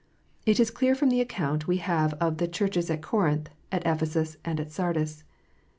This is clear from the account we have of the Churches at Corinth, at Ephesus, and at Sardis.